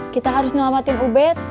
kita harus nyalamatin ubed